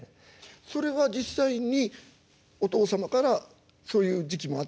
それは実際にお父様からそういう時期もあったんですか？